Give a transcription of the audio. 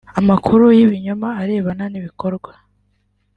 amakuru y’ibinyoma arebana n’ibikorwa